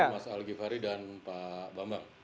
selamat malam mas algivary dan pak bambang